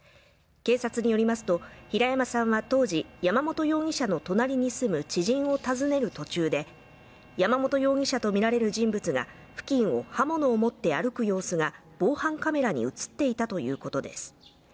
警察によりますと平山さんは当時山本容疑者の隣に住む知人を訪ねる途中で山本容疑者とみられる人物が付近を刃物を持って歩く様子が防犯カメラに映っていたということです